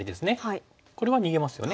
これは逃げますよね。